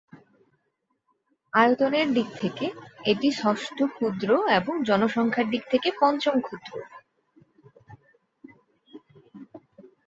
আয়তনের দিক থেকে এটি ষষ্ঠ ক্ষুদ্র এবং জনসংখ্যার দিক থেকে পঞ্চম ক্ষুদ্র।